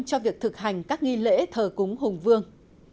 cho việc thực hành các nghi lễ thờ cúng hùng vương